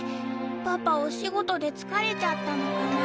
パパお仕事で疲れちゃったのかな？